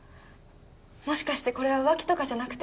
もしかしてこれは浮気とかじゃなくて